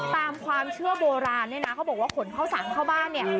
ตามความเชื่อโบราณเค้าบอกว่าขนเข้าสารเข้าบ้าน